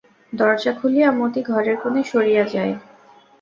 দরজা খুলিয়া মতি ঘরের কোণে সরিয়া যায়।